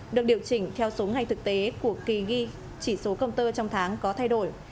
được điều chỉnh theo số ngày thực tế của kỳ ghi chỉ số công tơ trong tháng có thay đổi